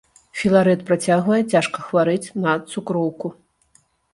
Філарэт працягвае цяжка хварэць на цукроўку.